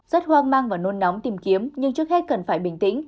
rất hoang mang và nôn nóng tìm kiếm nhưng trước hết cần phải bình tĩnh